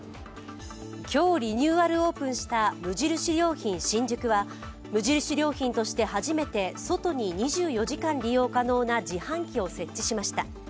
今日、リニューアルオープンした無印良品新宿は無印良品として初めて外に２４時間利用可能な自販機を設置しました。